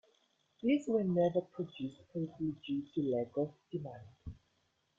These were never produced, probably due to lack of demand.